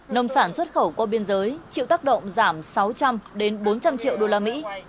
nông sản xuất khẩu qua biên giới chịu tác động giảm sáu trăm linh đến bốn trăm linh triệu usd